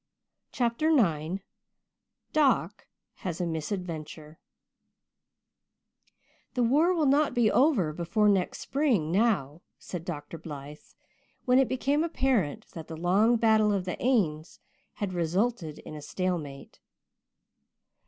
CHAPTER IX DOC HAS A MISADVENTURE "The war will not be over before next spring now," said Dr. Blythe, when it became apparent that the long battle of the Aisne had resulted in a stalemate.